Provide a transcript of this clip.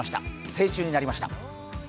成虫になりました。